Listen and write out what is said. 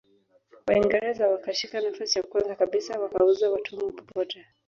Waingereza wakashika nafasi ya kwanza kabisa wakauza watumwa popote